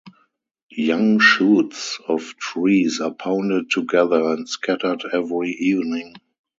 Young shoots of trees are pounded together and scattered every evening.